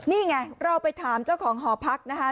นี่ไงเราไปถามเจ้าของหอพักนะคะ